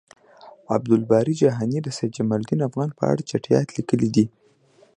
عبد الباری جهانی د سید جمالدین افغان په اړه چټیات لیکلی دی